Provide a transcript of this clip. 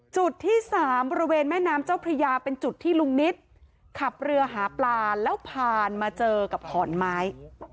จุดที่๓บริเวณแม่น้ำเจ้าพระยาเป็นจุดที่ลุงนิตขับเรือหาปลาแล้วผ่านมาเจอกับขอนไม้